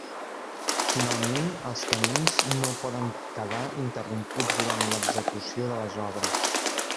Finalment, els camins no poden quedar interromputs durant l'execució de les obres.